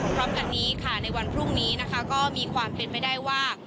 พร้อมกันในวันพรุ่งนี้ก็มีความเป็นไม่ได้ว่า